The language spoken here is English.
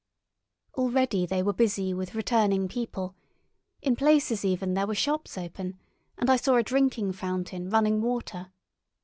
Already they were busy with returning people; in places even there were shops open, and I saw a drinking fountain running water.